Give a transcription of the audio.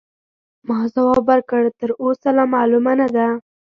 ما ځواب ورکړ: تراوسه لا معلومه نه ده.